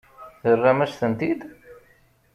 Terram-as-tent-id?